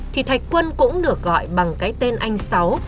thì thạch quân cũng được gọi bằng cái tên anh sáu